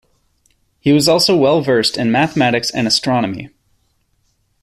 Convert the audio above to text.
He was also well versed in mathematics and astronomy.